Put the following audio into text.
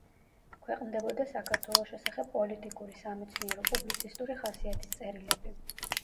ქვეყნდებოდა საქართველოს შესახებ პოლიტიკური, სამეცნიერო, პუბლიცისტური ხასიათის წერილები.